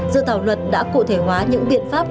dự thảo luật đã cụ thể hóa những biện pháp